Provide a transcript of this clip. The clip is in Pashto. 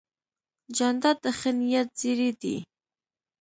جانداد د ښه نیت زېرى دی.